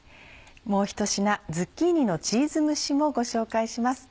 もうひと品「ズッキーニのチーズ蒸し」もご紹介します。